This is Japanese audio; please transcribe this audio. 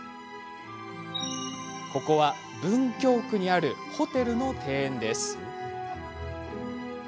ここは文京区にあるホテルの庭園です。